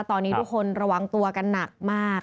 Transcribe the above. ตอนนี้ทุกคนระวังตัวกันหนักมาก